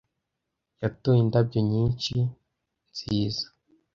Yatoye indabyo nyinshi nziza.